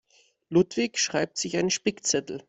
Ludwig schreibt sich einen Spickzettel.